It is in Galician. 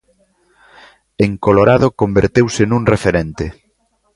En Colorado converteuse nun referente.